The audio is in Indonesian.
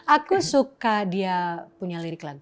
aku suka dia punya lirik lagu